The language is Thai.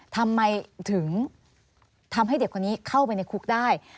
ทำไมถึงทำให้เด็กคนนี้เข้าไปในคุกได้